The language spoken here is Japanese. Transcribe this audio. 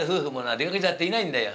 出かけちゃっていないんだよ。